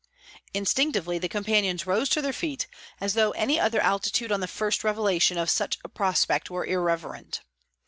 Instinctively, the companions rose to their feet, as though any other attitude on the first revelation of such a prospect were irreverent.